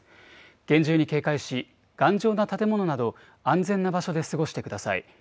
厳重に警戒し、頑丈な建物など、安全な場所で過ごしてください。